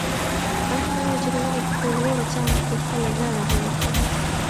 ماشوم غواړي چې د ونې په لوړو څانګو کې خپله ځاله جوړه کړي.